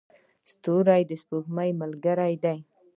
ستوري د سپوږمۍ ملګري دي.